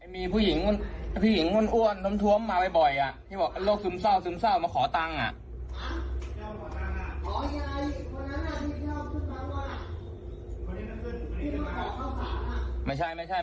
พี่วินเขาบอกว่าขาที่ป้าจะกลับเนี่ยเหมือนมีคนมาด้วยประมาณ๔๕คน